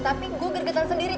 tapi gue gergetan sendiri